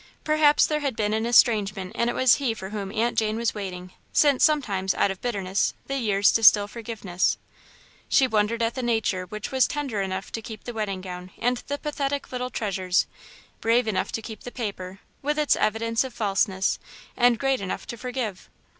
Perhaps there had been an estrangement and it was he for whom Aunt Jane was waiting, since sometimes, out of bitterness, the years distil forgiveness. She wondered at the nature which was tender enough to keep the wedding gown and the pathetic little treasures, brave enough to keep the paper, with its evidence of falseness, and great enough to forgive.